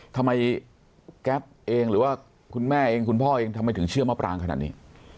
แก๊ปเองหรือว่าคุณแม่เองคุณพ่อเองทำไมถึงเชื่อมะปรางขนาดนี้